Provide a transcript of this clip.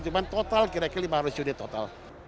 cuma total kira kira lima ratus unit total